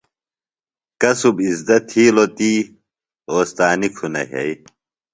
کصُب اِزدہ تِھیلوۡ تی، اوستانی کُھنہ یھئیۡ